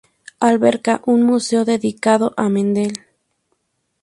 Alberga un museo dedicado a Mendel.